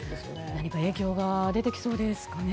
何か影響が出てきそうですかね。